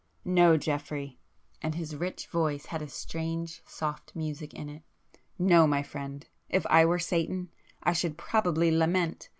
"No, Geoffrey"—and his rich voice had a strange soft music in it—"No, my friend! If I were Satan I should probably lament!